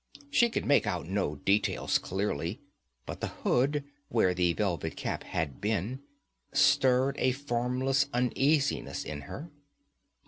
She could make out no details clearly, but the hood, where the velvet cap had been, stirred a formless uneasiness in her.